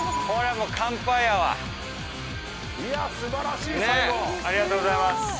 おめでとうございます！